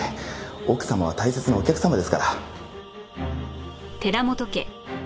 奥様は大切なお客様ですから。